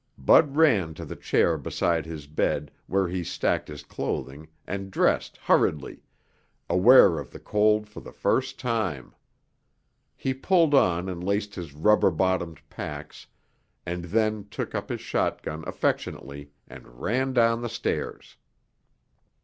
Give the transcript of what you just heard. Bud ran to the chair beside his bed where he stacked his clothing and dressed hurriedly, aware of the cold for the first time. He pulled on and laced his rubber bottomed pacs, and then took up his shotgun affectionately and ran down the stairs.